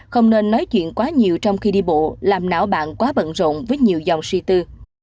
không nên nói chuyện quá nhiều trong khi đi bộ làm não bạn quá bận rộn với nhiều dòng suy tư